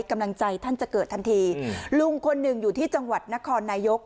กำลังใจท่านจะเกิดทันทีลุงคนหนึ่งอยู่ที่จังหวัดนครนายก